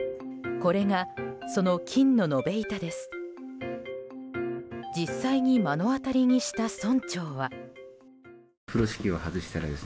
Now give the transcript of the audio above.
これが、その金の延べ板です。